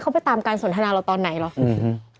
เขาไปตามการสนทนาเราตอนไหนเหรออืม